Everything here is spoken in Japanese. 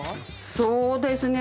そうですね